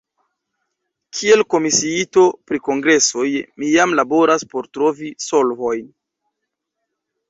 Kiel komisiito pri kongresoj mi jam laboras por trovi solvojn.